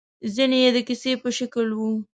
ځينې يې د کيسې په شکل وو.